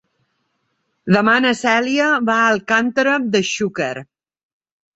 Demà na Cèlia va a Alcàntera de Xúquer.